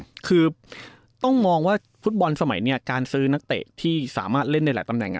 คือต้องมองว่าฟุตบอลสมัยนี้การซื้อนักเตะที่สามารถเล่นได้หลายตำแหน่ง